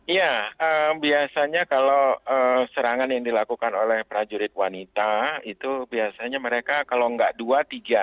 ya biasanya kalau serangan yang dilakukan oleh prajurit wanita itu biasanya mereka kalau nggak dua tiga